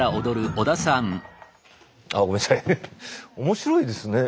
面白いですね。